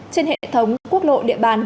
trên hệ thống quốc lộ địa bàn